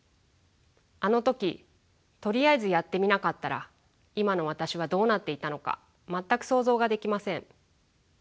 あの時とりあえずやってみなかったら今の私はどうなっていたのか全く想像ができません。